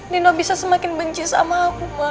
nino bisa semakin benci sama aku